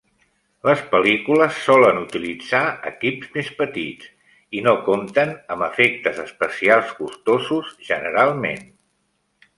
Les pel·lícules solen utilitzar equips més petits, i no compten amb efectes especials costosos generalment.